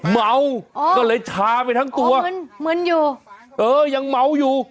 เมาก็เลยชาไปทั้งตัวมึนมึนอยู่เออยังเมาอยู่